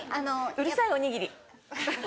うるさいおにぎり。